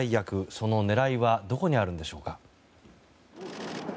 その狙いはどこにあるのでしょうか。